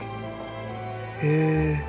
へえ。